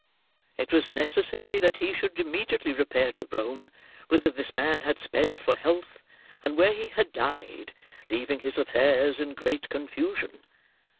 It was necessary that he should immediately repair to Rome, whither this man had sped for health, and where he had died, leaving his affairs in great confusion.